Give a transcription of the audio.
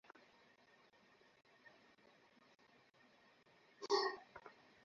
নায়কের বীরত্বে শেষ পর্যন্ত তারা হয়তো আড়ালে থেকে যান, থাকেন পার্শ্বনায়ক হয়ে।